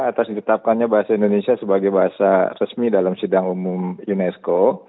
atas ditetapkannya bahasa indonesia sebagai bahasa resmi dalam sidang umum unesco